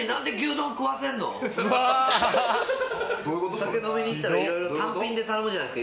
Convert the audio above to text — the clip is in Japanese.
酒飲みに行ったらいろいろ単品で頼むじゃないですか。